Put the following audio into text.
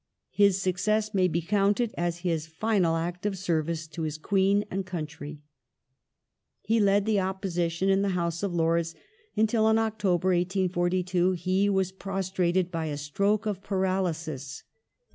His suc cess may be counted as his final act of service to his Queen and country. Healed the Opposition in the House of Lords until in October, 1842, he was prostrated by a stroke of paralysis.